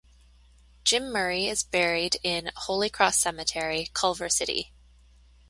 Jim Murray is buried in Holy Cross Cemetery, Culver City.